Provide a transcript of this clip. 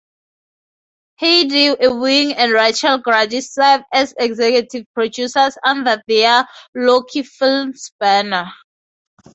Heidi Ewing and Rachel Grady serve as executive producers under their Loki Films banner.